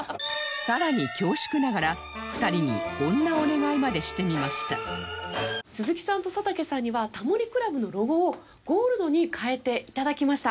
さらに鈴木さんと佐竹さんには『タモリ倶楽部』のロゴをゴールドに変えて頂きました。